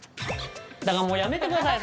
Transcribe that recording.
だからもうやめてください